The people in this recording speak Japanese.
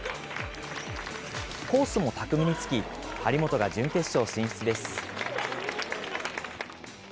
コースも巧みに突き、張本が準決勝進出です。